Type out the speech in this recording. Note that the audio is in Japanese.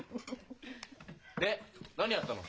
で何やったの？